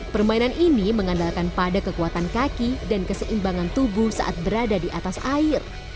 permainan ini mengandalkan pada kekuatan kaki dan keseimbangan tubuh saat berada di atas air